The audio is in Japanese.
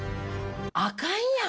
あかんやん。